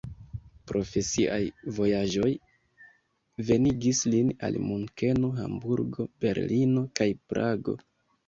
Profesiaj vojaĝoj venigis lin al Munkeno, Hamburgo, Berlino kaj Prago.